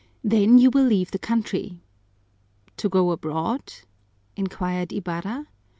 Then you will leave the country." "To go abroad?" inquired Ibarra.